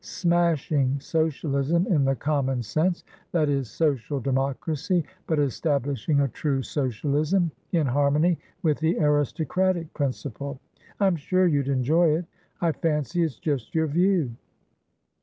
Smashing socialism in the common sensethat is, social democracy; but establishing a true socialism in harmony with the aristocratic principle. I'm sure you'd enjoy it. I fancy it's just your view."